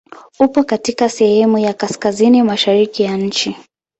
Upo katika sehemu ya kaskazini mashariki ya nchi.